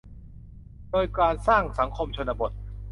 โดยการสร้างสังคมชนบท